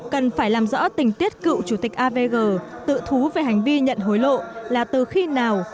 cần phải làm rõ tình tiết cựu chủ tịch avg tự thú về hành vi nhận hối lộ là từ khi nào